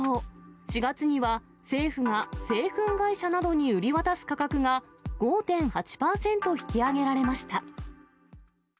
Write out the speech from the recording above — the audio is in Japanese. ４月には、政府が製粉会社などに売り渡す価格が、５．８％引き上げられました。